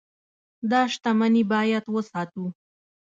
دا شتمني باید وساتو.